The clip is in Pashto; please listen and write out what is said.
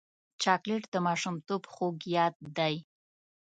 چاکلېټ د ماشومتوب خوږ یاد دی.